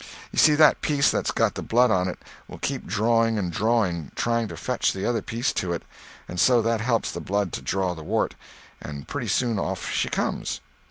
You see that piece that's got the blood on it will keep drawing and drawing, trying to fetch the other piece to it, and so that helps the blood to draw the wart, and pretty soon off she comes."